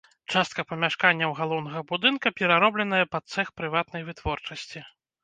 Частка памяшканняў галоўнага будынка пераробленая пад цэх прыватнай вытворчасці.